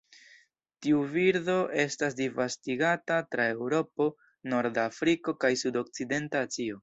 Tiu birdo estas disvastigata tra Eŭropo, norda Afriko kaj sudokcidenta Azio.